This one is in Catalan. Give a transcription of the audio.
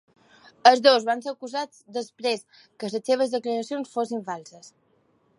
Els dos van ser acusats després que les seves declaracions fossin falses.